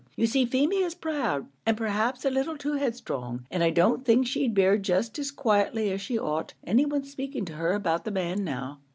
You see Feemy is proud, and perhaps a little too headstrong, and I don't think she'd bear just as quietly as she ought, any one speaking to her about the man now.